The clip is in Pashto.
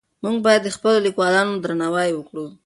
موږ باید د خپلو لیکوالانو درناوی وکړو.